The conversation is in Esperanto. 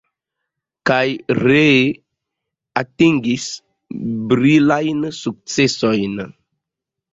Kaj ree atingis brilajn sukcesojn.